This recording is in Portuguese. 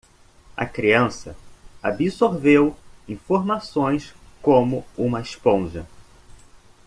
A criança absorveu informações como uma esponja.